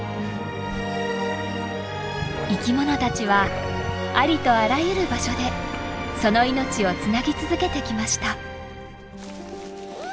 生きものたちはありとあらゆる場所でその命をつなぎ続けてきました。